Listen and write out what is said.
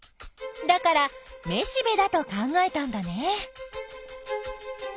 だからめしべだと考えたんだね。